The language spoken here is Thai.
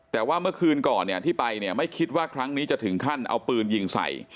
แต่ว่าเมื่อคืนก่อนเนี่ยที่ไปเนี่ยไม่คิดว่าครั้งนี้จะถึงขั้นเอาปืนยิงใส่